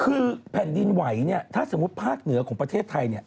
คือแผ่นดินไหวถ้าสมมุติภาคเหนือของประเทศไทย